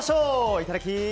いただき！